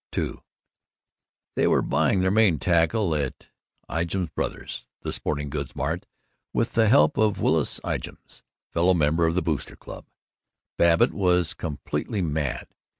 II They were buying their Maine tackle at Ijams Brothers', the Sporting Goods Mart, with the help of Willis Ijams, fellow member of the Boosters' Club. Babbitt was completely mad.